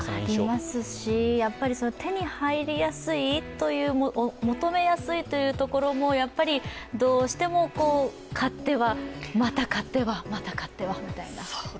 ありますし、やっぱり手に入りやすい、求めやすいというところもやっぱりどうしても買っては、また買っては、また買ってはみたいな。